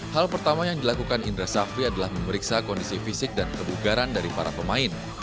hal pertama yang dilakukan indra safri adalah memeriksa kondisi fisik dan kebugaran dari para pemain